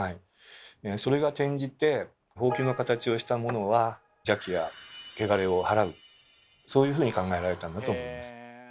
それが転じてほうきの形をしたものは邪気やけがれを払うそういうふうに考えられたんだと思います。